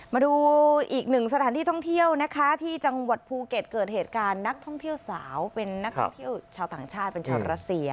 มาดูอีกหนึ่งสถานที่ท่องเที่ยวนะคะที่จังหวัดภูเก็ตเกิดเหตุการณ์นักท่องเที่ยวสาวเป็นนักท่องเที่ยวชาวต่างชาติเป็นชาวรัสเซีย